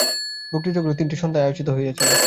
বক্তৃতাগুলি তিনটি সন্ধ্যায় আয়োজিত হইয়াছিল।